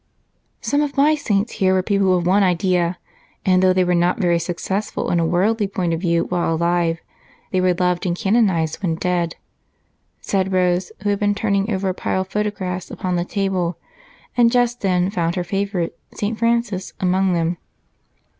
"Some of my saints here were people of one idea, and though they were not very successful from a worldly point of view while alive, they were loved and canonized when dead," said Rose, who had been turning over a pile of photographs on the table and just then found her favorite, St. Francis, among them.